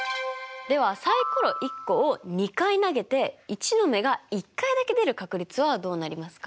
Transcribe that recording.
ではサイコロ１個を２回投げて１の目が１回だけ出る確率はどうなりますか？